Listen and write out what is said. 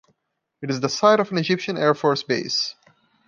It is the site of an Egyptian air force base.